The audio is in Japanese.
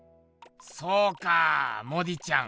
そうかモディちゃん